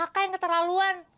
kakak yang keterlaluan